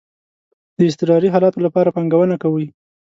د اضطراری حالاتو لپاره پانګونه کوئ؟